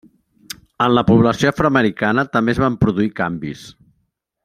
En la població afroamericana també es van produir canvis.